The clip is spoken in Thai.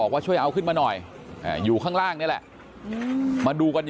ว่าช่วยเอาขึ้นมาหน่อยอยู่ข้างล่างนี่แหละมาดูกัน